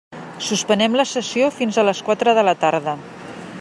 Suspenem la sessió fins a les quatre de la tarda.